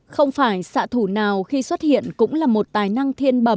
không phải xạ thủ nào khi xuất hiện cũng là một tài năng thiên bẩm